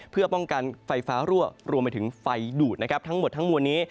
เพื่อป้องกันไฟฟ้ารั่วรวมไปถึงไฟดูดนะครับทั้งหมดทั้งมวลนี้